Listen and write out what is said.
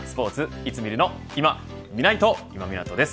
いつ見るのいまみないと、今湊です。